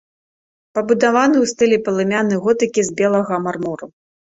Пабудаваны ў стылі палымяны готыкі з белага мармуру.